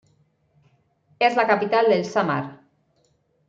Es la capital del Sámar.